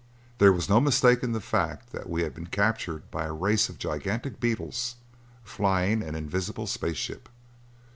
There was no mistaking the fact that we had been captured by a race of gigantic beetles flying an invisible space ship.